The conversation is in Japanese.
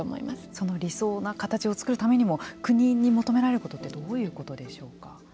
その理想の形を作るためにも国に求められることはどういうことでしょうか。